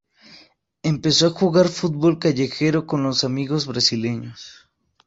Empezó a jugar al fútbol callejero con los amigos brasileños.